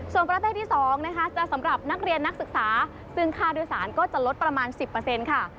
ส่วนประเภทที่๒นะคะจะสำหรับนักเรียนนักศึกษาซึ่งค่าโดยสารก็จะลดประมาณ๑๐ค่ะ